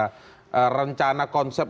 rencana konsep untuk mengajak semua pemerintahan